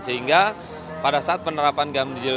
sehingga pada saat penerapan ganjil